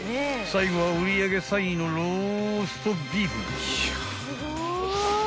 ［最後は売り上げ３位のローストビーフ］